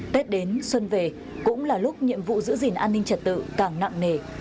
tết đến xuân về cũng là lúc nhiệm vụ giữ gìn an ninh trật tự càng nặng nề